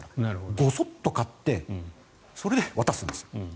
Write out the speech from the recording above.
ごそっと買ってそれで渡すんです。